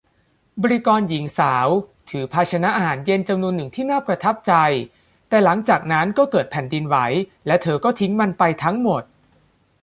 บริกรหญิงสาวถือภาชนะอาหารเย็นจำนวนหนึ่งที่น่าประทับใจ แต่หลังจากนั้นก็เกิดแผ่นดินไหวและเธอก็ทิ้งมันไปทั้งหมด